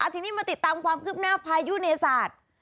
ทีนี้มาติดตามความคืบหน้าพายุเนศาสตร์